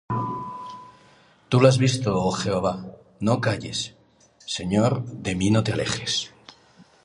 Tú lo has visto, oh Jehová; no calles: Señor, de mí no te alejes.